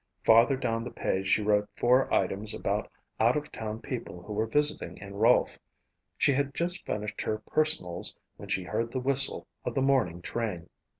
Farther down the page she wrote four items about out of town people who were visiting in Rolfe. She had just finished her personals when she heard the whistle of the morning train.